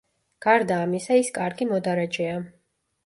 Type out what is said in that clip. გარდა ამისა, ის კარგი მოდარაჯეა.